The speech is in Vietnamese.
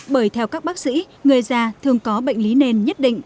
bởi theo các bác sĩ người già thường có bệnh lý nền nhất định